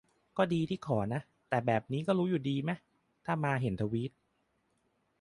ก็ดีที่ขอนะ แต่แบบนี้ก็รู้อยู่ดีมะ ถ้ามาเห็นทวีต